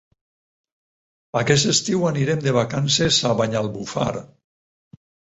Aquest estiu anirem de vacances a Banyalbufar.